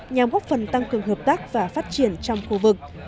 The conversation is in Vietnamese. nhằm góp phần tăng cường hợp tác và phát triển trong khu vực